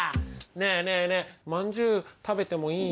ねえねえねえまんじゅう食べてもいい？